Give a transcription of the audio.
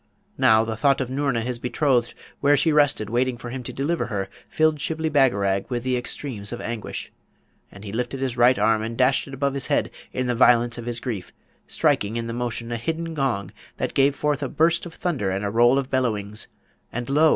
Now, the thought of Noorna, his betrothed, where she rested waiting for him to deliver her, filled Shibli Bagarag with the extremes of anguish; and he lifted his right arm and dashed it above his head in the violence of his grief, striking in the motion a hidden gong that gave forth a burst of thunder and a roll of bellowings, and lo!